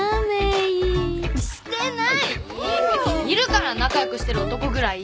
いるから仲良くしてる男ぐらい。